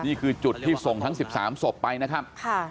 นี่คือจุดที่ส่งทั้ง๑๓ศพไปนะครับ